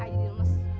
ayah jadi lemes